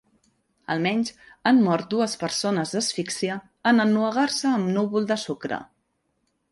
Almenys han mort dues persones d'asfíxia en ennuegar-se amb núvol de sucre.